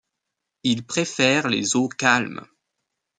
Il préfère les eaux calmes.